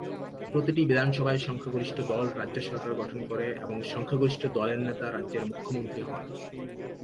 প্রতিটি বিধানসভায় সংখ্যাগরিষ্ঠ দল রাজ্য সরকার গঠন করে এবং সংখ্যাগরিষ্ঠ দলের নেতা রাজ্যের মুখ্যমন্ত্রী হন।